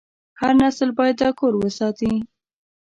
هر نسل باید دا کور وساتي.